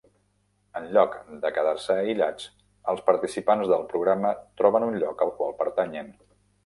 Enlloc de quedar-se aïllats, els participants del programa troben un lloc al qual pertanyen.